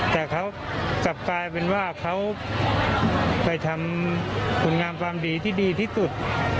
แต่เขากลับกลายเป็นว่าเขาไปทำผลงานความดีที่ดีที่สุด